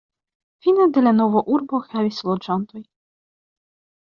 Fine de la nova urbo havis loĝantojn.